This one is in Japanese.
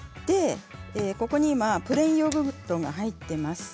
ここに今プレーンヨーグルトが入っています。